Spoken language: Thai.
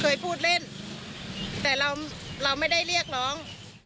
เคยพูดเล่นแต่เราเราไม่ได้เรียกร้อง